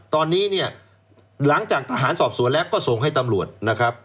ตอนนี้เนี่ยหลังจากทหารสอบสวนแล้วก็ส่งให้ตำรวจนะครับ